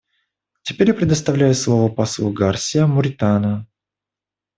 Теперь я предоставляю слово послу Гарсиа Моритану.